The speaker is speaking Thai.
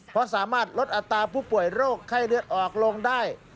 เพราะสามารถลดอัตราผู้ป่วยโรคไข้เลือดออกลงได้